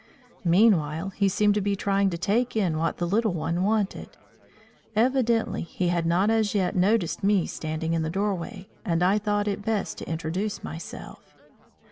Meanwhile he seemed to be trying to take in what the little one wanted. Evidently he had not as yet noticed me standing in the doorway, and I thought it best to introduce myself.